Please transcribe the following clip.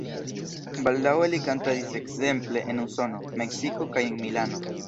Baldaŭe li kantadis ekzemple en Usono, Meksiko kaj en Milano.